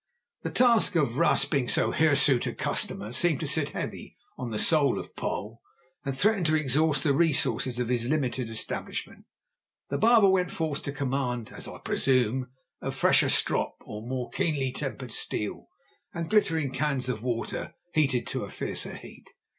The task of rasping so hirsute a customer seemed to sit heavy on the soul of Poll, and threatened to exhaust the resources of his limited establishment. The barber went forth to command, as I presume, a fresher strop, or more keenly tempered steel, and glittering cans of water heated to a fiercer heat.